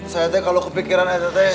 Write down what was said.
saya kalau kepikiran saya